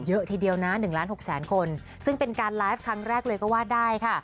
เยอะทีเดียวนะ๑ล้านหกแสนคนซึ่งเป็นการไลฟ์ครั้งแรกเลยก็ว่าได้ค่ะ